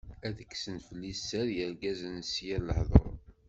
Ad kksen fell-i sser yirgazen s yir lehḍur.